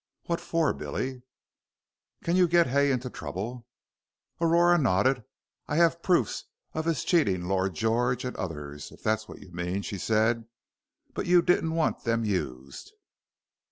"What for, Billy?" "Can you get Hay into trouble?" Aurora nodded. "I have proofs of his cheating Lord George and others, if that's what you mean," she said; "but you didn't want them used."